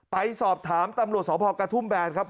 ไปสอบถามตำรวจสพกระทุ่มแบนครับ